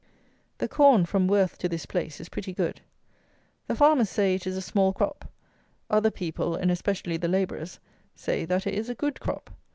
The corn, from Worth to this place, is pretty good. The farmers say it is a small crop; other people, and especially the labourers, say that it is a good crop.